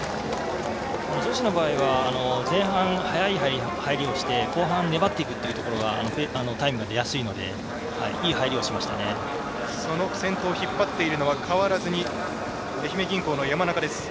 女子の場合は前半早い入りをして後半、粘っていくというところがタイムが出やすいので先頭を引っ張っているのは変わらずに愛媛銀行の山中です。